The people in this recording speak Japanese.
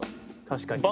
確かに。